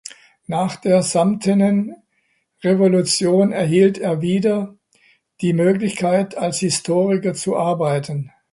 Nach der Samtenen Revolution erhielt er wieder die Möglichkeit als Historiker zu arbeiten.